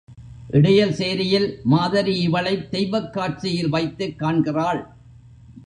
இடையர் சேரியில் மாதரி இவளைத் தெய்வக் காட்சியில் வைத்துக் காண்கிறாள்.